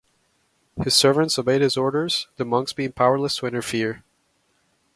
His servants obeyed his orders, the monks being powerless to interfere.